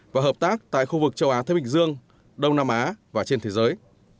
và hợp tác tại khu vực châu á thái bình dương đông nam á và trên thế giới